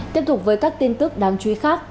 tiếp tục với các tin tức đáng chú ý khác